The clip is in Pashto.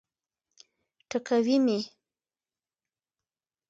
ټکوي مي.